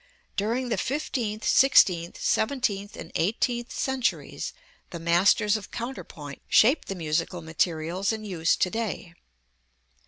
During the fifteenth, sixteenth, seventeenth and eighteenth centuries the masters of counterpoint shaped the musical materials in use to day.